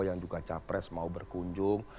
yang juga capres mau berkunjung